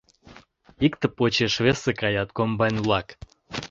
Икте почеш весе каят комбайн-влак